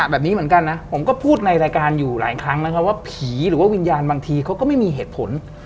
ว่าผีหรือว่าวิญญาณบางทีเขาก็ไม่มีเหตุผล